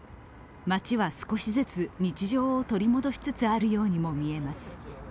街は少しずつ日常を取り戻しつつあるようにも見えます。